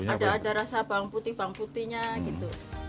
ada ada rasa bawang putih bawang putihnya gitu